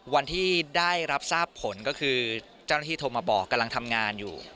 วันที่ได้รับทราบผลก็คือเจ้าหน้าที่โทรมาบอกกำลังทำงานอยู่